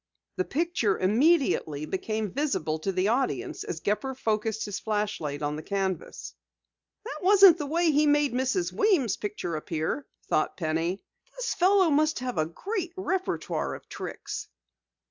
The picture immediately became visible to the audience as Gepper focused his flashlight on the canvas. "That wasn't the way he made Mrs. Weems' picture appear," thought Penny. "The fellow must have a great repertoire of tricks!"